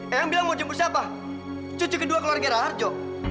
ayang bilang mau jemput siapa cucu kedua keluarga arjo